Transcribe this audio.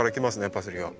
パセリが。